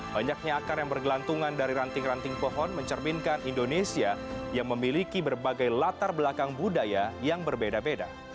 banyaknya akar yang bergelantungan dari ranting ranting pohon mencerminkan indonesia yang memiliki berbagai latar belakang budaya yang berbeda beda